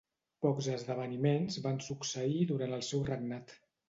Pocs esdeveniments van succeir durant el seu regnat.